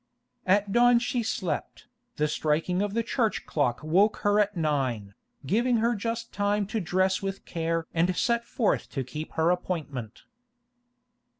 At dawn she slept. The striking of a church clock woke her at nine, giving her just time to dress with care and set forth to keep her appointment.